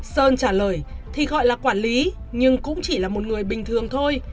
sơn trả lời thì gọi là quản lý nhưng cũng chỉ là một người bình thường thôi